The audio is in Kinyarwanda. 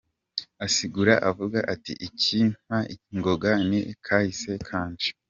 Asigura avuga ati: "Ikimpa ingoga ni kahise kanje.